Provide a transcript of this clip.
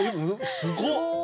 すごっ！